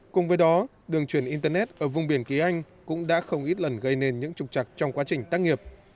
cùng với đó đường truyền internet ở vùng biển ký anh cũng đã không ít lần gây nên những trục trặc trong quá trình tác nghiệp